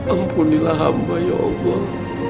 ampunilah hamba ya allah